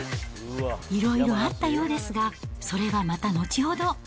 いろいろあったようですが、それはまた後ほど。